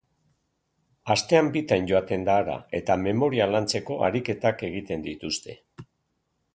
Astean bitan joaten da hara, eta memoria lantzeko ariketak egiten dituzte.